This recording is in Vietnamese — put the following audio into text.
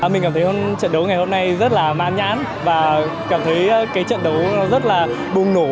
mình cảm thấy trận đấu ngày hôm nay rất là man nhãn và cảm thấy cái trận đấu rất là bùng nổ